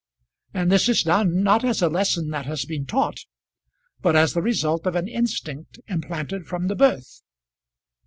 And this is done, not as a lesson that has been taught, but as the result of an instinct implanted from the birth.